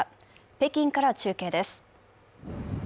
北京から中継です。